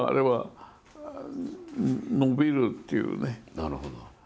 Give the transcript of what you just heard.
なるほど。